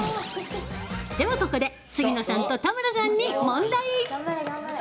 では、ここで杉野さんと田村さんに問題。